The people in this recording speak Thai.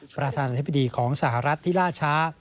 ประธานาธิบดีของสหรัฐที่ล่าช้า